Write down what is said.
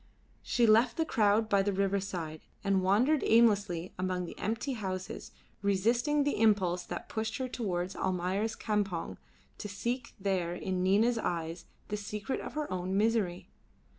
She left the crowd by the riverside, and wandered aimlessly among the empty houses, resisting the impulse that pushed her towards Almayer's campong to seek there in Nina's eyes the secret of her own misery.